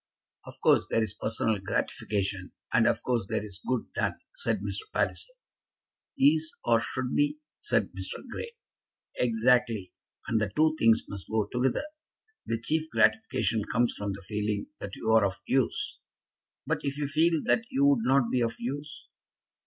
"Of course there is personal gratification, and of course there is good done," said Mr. Palliser. "Is, or should be," said Mr. Grey. "Exactly; and the two things must go together. The chief gratification comes from the feeling that you are of use." "But if you feel that you would not be of use?"